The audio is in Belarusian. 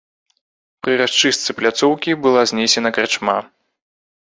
Пры расчыстцы пляцоўкі была знесена карчма.